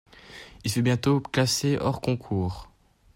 Il fut bientôt classé hors concours.